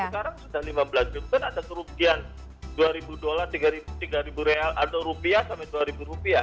kalau sekarang sudah lima belas ribu kan ada kerugian dua ribu dolar tiga ribu real atau rupiah sampai dua ribu rupiah